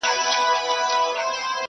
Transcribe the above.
دلته بله محکمه وي فیصلې وي..